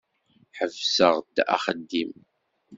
Ḥebseɣ-d axeddim.